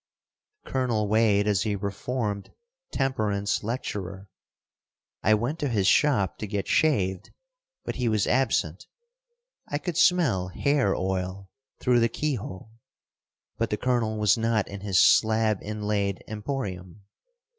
Colonel Wade is a reformed temperance lecturer. I went to his shop to get shaved, but he was absent. I could smell hair oil through the keyhole, but the Colonel was not in his slab inlaid emporium.